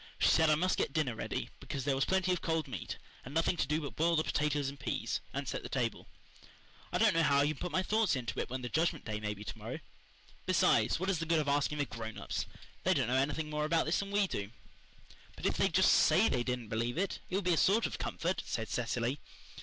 "She said I must get dinner ready, because there was plenty of cold meat, and nothing to do but boil the potatoes and peas, and set the table. I don't know how I can put my thoughts into it when the Judgment Day may be to morrow. Besides, what is the good of asking the grown ups? They don't know anything more about this than we do." "But if they'd just SAY they didn't believe it, it would be a sort of comfort," said Cecily.